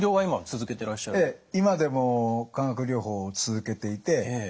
ええ。